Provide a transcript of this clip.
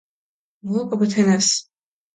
მუ ოკო ბო თენას